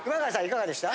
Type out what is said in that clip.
いかがでした？